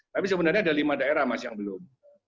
tapi sebenarnya ada lima daerah mas yang belum